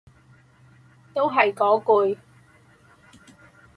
都係嗰句